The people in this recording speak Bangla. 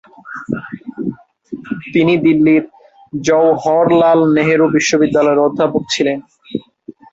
তিনি দিল্লির জওহরলাল নেহেরু বিশ্ববিদ্যালয়ের অধ্যাপক ছিলেন।